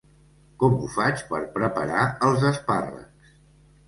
Com ho faig per preparar els espàrrecs?